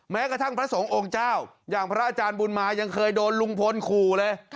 แม้กระทั่งพระสงฆ์องค์เจ้าอย่างพระอาจารย์บุญมายังเคยโดนลุงพลขู่เลย